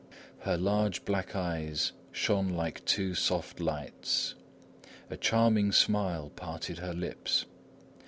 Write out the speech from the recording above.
Her large black eyes shone like two soft lights. A charming smile parted her lips.